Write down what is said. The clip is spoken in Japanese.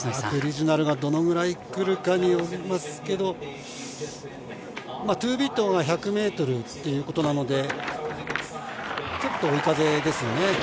クリジュナルがどのくらいくるかによりますけど、ＴＯＢＥＡＴが１００ｍということなので、ちょっと追い風ですね。